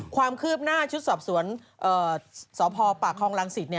ความคืบหน้าชุดสอบสวนสพปคลังศิษฐ์